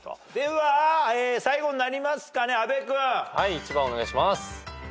１番お願いします。